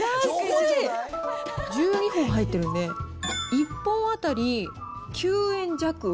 １２本入ってるんで、１本当たり９円弱。